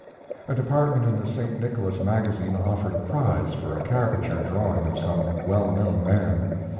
A department in the St. Nicholas Magazine offered a prize for a caricature drawing of some well known man.